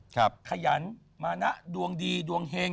ขยันมานะดวงดีดวงเฮง